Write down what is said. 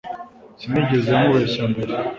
Sinigeze nkubeshya mbere